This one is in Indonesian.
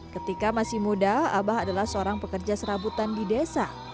ketika masih muda abah adalah seorang pekerja serabutan di desa